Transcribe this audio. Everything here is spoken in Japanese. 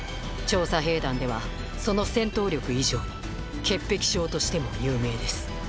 調査兵団ではその戦闘力以上に潔癖症としても有名です